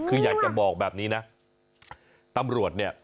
คืออยากจะบอกแบบนี้นะตำรวจเนี่ย